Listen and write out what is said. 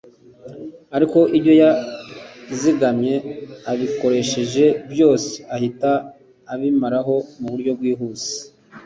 ariko ibyo yazigamye abikoresheje byose ahita abimaraho mu buryo bwihuse